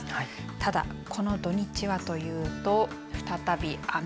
ただ、この土日はというと再び、雨。